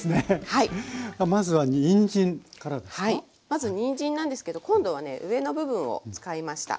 まずにんじんなんですけど今度はね上の部分を使いました。